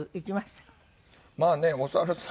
まあねお猿さん